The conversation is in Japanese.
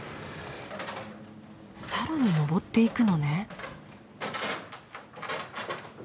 更に上っていくのね。